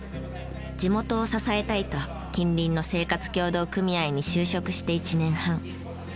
地元を支えたいと近隣の生活協同組合に就職して１年半。